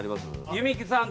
弓木さん